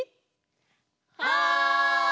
はい！